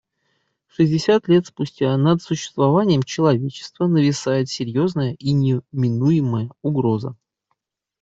Шестьдесят лет спустя над существованием человечества нависает серьезная и неминуемая угроза.